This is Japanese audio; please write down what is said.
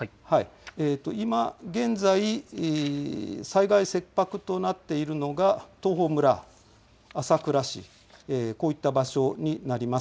今現在、災害切迫となっているのが東峰村、朝倉市、こういった場所になります。